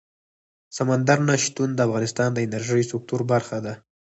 سمندر نه شتون د افغانستان د انرژۍ سکتور برخه ده.